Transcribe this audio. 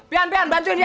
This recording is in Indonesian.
pian pian bantuin dia ya